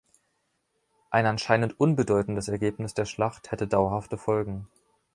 Ein anscheinend unbedeutendes Ergebnis der Schlacht hätte dauerhafte Folgen.